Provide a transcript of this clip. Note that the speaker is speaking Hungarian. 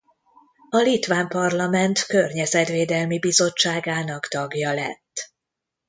A litván parlament Környezetvédelmi Bizottságának tagja lett.